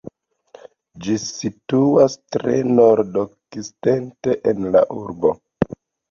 Ĝi situas tre nordokcidente en la urbo.